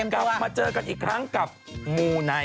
กลับมาเจอกันอีกครั้งกับมูไนท